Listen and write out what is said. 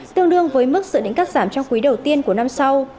tương đương với mức dự định cắt giảm trong quý đầu tiên của năm sau